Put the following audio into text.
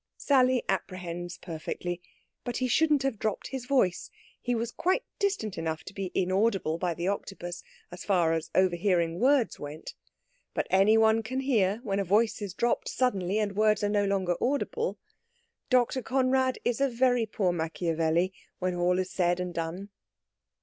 Sally apprehends perfectly. But he shouldn't have dropped his voice. He was quite distant enough to be inaudible by the Octopus as far as overhearing words went. But any one can hear when a voice is dropped suddenly, and words are no longer audible. Dr. Conrad is a very poor Machiavelli, when all is said and done.